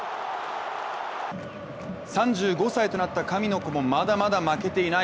３５歳となった神の子もまだまだ負けていない！